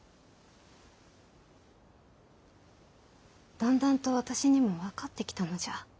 だんだんと私にも分かってきたのじゃ。